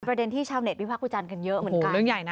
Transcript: ประเด็นที่ชาวเนทยิ่งวิภากวุจันทร์กันเยอะเหมือนกัน